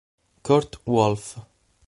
Kurt Wolff